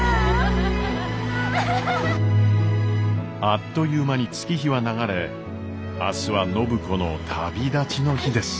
あっという間に月日は流れ明日は暢子の旅立ちの日です。